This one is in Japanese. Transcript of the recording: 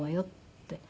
って。